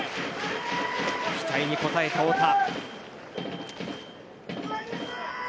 期待に応えた、太田。